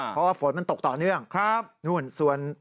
เพราะว่าฝนมันตกต่อเนื่องครับนู่นส่วน